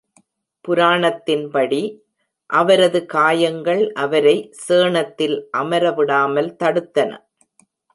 புராணத்தின் படி, அவரது காயங்கள் அவரை சேணத்தில் அமர விடாமல் தடுத்தன.